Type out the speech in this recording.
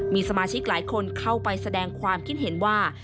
มีสมาชิกหลายคนเข้าไปแสดงความคิดเห็นว่า